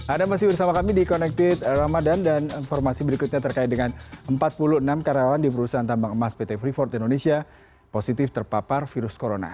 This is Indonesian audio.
ada masih bersama kami di connected ramadan dan informasi berikutnya terkait dengan empat puluh enam karyawan di perusahaan tambang emas pt freeport indonesia positif terpapar virus corona